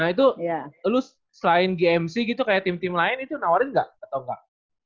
nah itu lu selain gmc gitu kayak tim tim lain itu nawarin nggak atau enggak